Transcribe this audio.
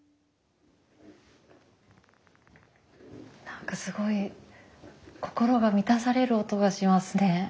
何かすごい心が満たされる音がしますね。